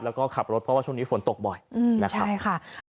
แล้วก็ขับรถเพราะว่าช่วงนี้ฝนตกบ่อยนะครับใช่ค่ะ